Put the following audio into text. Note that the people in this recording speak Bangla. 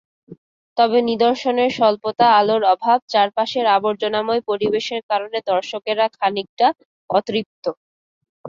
তবে নিদর্শনের স্বল্পতা, আলোর অভাব, চারপাশের আবর্জনাময় পরিবেশের কারণে দর্শকেরা খানিকটা অতৃপ্ত।